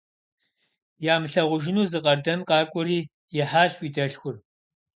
Ямылъагъужыну зы къардэн къакӀуэри, ихьащ уи дэлъхур.